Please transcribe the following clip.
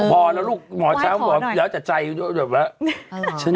พอแล้วพี่หมอช้างจะใจนี่แบบว่า